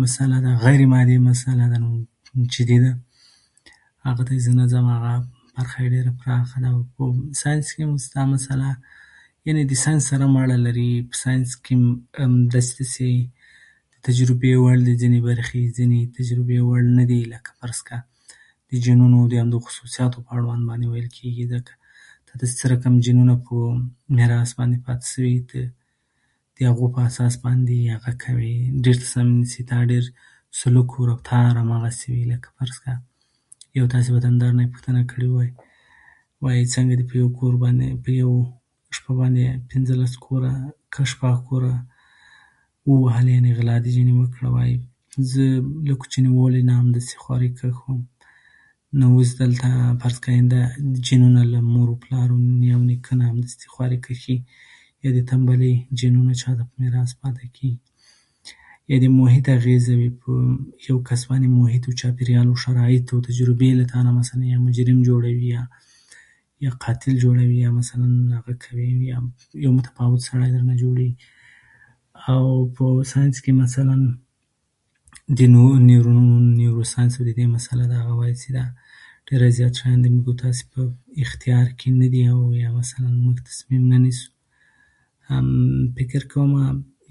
دا یو پراخ فلسفي بحث ده، د جبر او اختیار ډیالټیک. وبخښئ، دا کتاب هغه لیکلی ده، مجروح صاحب لیکلی ده، پوهاند مجروح. د جبر او اختیار مسله، یا مو دا د ازادۍ او مجبوریت بحث یوه جدي فلسفي بحث ده، او ورباندې ډېرې زیاتې خبرې شوي. او تنها دا مسله، یې جالبوالی یې دا ده چې په ساینس کې ده، دا مسله هم په فلسفه کې ده، دا مسله هم په مذهب، دین، په دین کې. مثلاً وايي چې انسان د خپل اعمالو مسوول ده، باید سزا ورکړل شي، او له بلې خوا بیا وايي چې خدای پاک هر چا ته [unintelligible] هر څه له مخکې نه مشخص کړي چې ته به څه کوې، او پاڼه د خدای له ارادې نه بغیر نه لوېږي، نه ښوري. بیا نو مثلاً د جبر هغه پلویان وايي: ښه، نو خدای پاک دا مشخص کړي دي چې کومه ګناه وکړم، کومه کار وکړم، په دې کې خو د خدای اراده شامله ده، نو زه خو نشم کولای د خدای له ارادې پرته دا کار وکړم. نو ښه، که زه دا وکړم، خدای بیا له ما څه شي حساب غواړي؟ هغه څه چې زما په اختیار کې نه وو، ولې زه هغه حساب ورکړم؟ نو په دین کې څه ملایان یو څه وايي، نور ملایان بل څه وايي. [unintelligible] اووه کاله کېږي روان دي. بله موضوع د هغه ده، د فلسفه کې، په فلسفه کې په دې باب، چون د قدرت مسله یې، یا د یو اختیار یا حرکت عادي مسله ده، غیر مادي مسله ده. یعنې [unintelligible] هغه ته زه نه ځم، هغه برخه ډېره پراخه ده. او ساینس کې هم شته دا مسله، یعنې د ساینس سره هم اړه لري. په ساینس کې داسې ده چې تجربې، ځینې برخې، ځینې تجربې وړ نه دي. لکه فرض کړه، لکه د جنیاتو د خصوصیاتو په اړوند ویل کېږي، دا چې کوم رقم جنیات په میراث باندې پاتې شوي، د هغوی په اساس باندې هغه کوم تصمیم نیسي، داسې سلوک و رفتار داسې وي. لکه فرض کړه تاسې به د ما څخه پوښتنه کړې وای، وايي څنګه دې په یوه کور باندې په یوه شپه باندې پنځه لس [unintelligible] یعنې غلا دې ځینې کړې وای. زه کوچني والي نه همداسې خواري کښ وم، نو اوس دلته فرض کړه [unintelligible] مور او پلار یا نیکه نه همداسې خواري کښ وي. یعنې تمبلي جینونه چا ته په میراث پاتې کېږي، یا د محیط اغېزې وي، په یو کس باندې محیط، شرایط او تجربې لکه مثلاً یو مجرم جوړوي، یو قاتل جوړوي، یا مثلاً هغه کوي، یو متفاوت سړی درنه جوړېږي. او په ساینس کې مثلاً د نیورو ساینس او دې مسله ده، او دا وايي چې [unintelligible] موږ ستاسې په اختیار کې نه دي، او موږ تصمیم نه نیسو. فکر کومه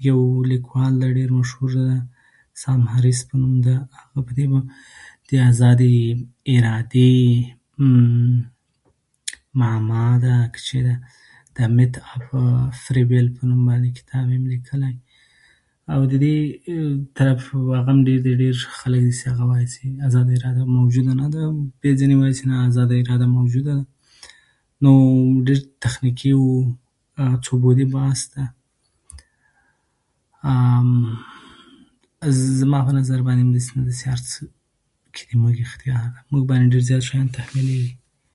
یو لیکوال ده، ډېر مشهور ده، [unintelligible] په نوم ده، هغه په دې ازادۍ یا د معما ده، که څه شی ده، طبیعت [unintelligible] په نوم کتاب یې هم لیکلی، او د دې طرف هغه هم ډېر دي، ډېر ښه خلک دي چې وايي چې ازادۍ اراده موجوده نه ده، او ځینې وايي چې نه، ازاده اراده موجوده ده. نو ډېر تخنیکي او څو بعدي بحث ده. زما په نظر داسې نه ده چې هر څه زموږ اختیار ده، موږ باید ډېر زیات شیان [unintelligible]